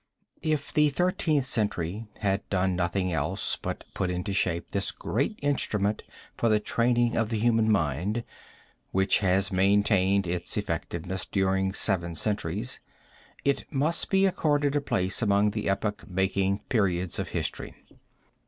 If the Thirteenth Century had done nothing else but put into shape this great instrument for the training of the human mind, which has maintained its effectiveness during seven centuries, it must be accorded a place among the epoch making periods of history.